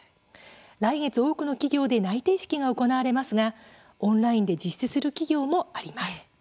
来月、多くの企業で内定式が行われますがオンラインで実施する企業もあります。